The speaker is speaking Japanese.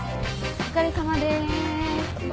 お疲れさまです。